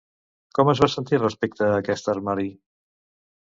Com es va sentir respecte a aquest armari?